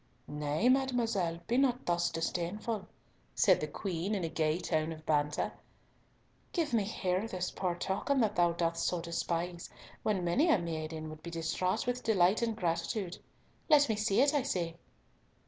"Nay, mademoiselle, be not thus disdainful," said the Queen, in a gay tone of banter; "give me here this poor token that thou dost so despise, when many a maiden would be distraught with delight and gratitude. Let me see it, I say."